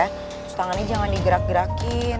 terus tangannya jangan digerak gerakin